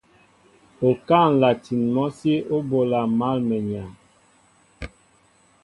Okáá nlatin mɔsí o ɓola mal mwenya.